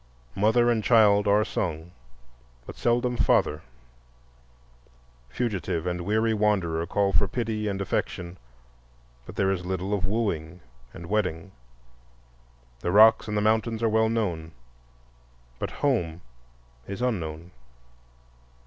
Mother and child are sung, but seldom father; fugitive and weary wanderer call for pity and affection, but there is little of wooing and wedding; the rocks and the mountains are well known, but home is unknown.